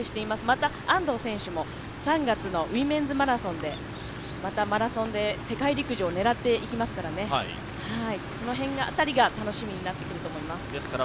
また、安藤選手も３月のウイメンズマラソンでまたマラソンで世界陸上を狙っていきますからそのあたりが楽しみになってくると思います。